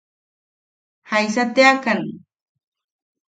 ¿Jaisa teakan?